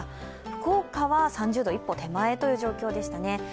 福岡は３０度一歩手前という状況でしたね。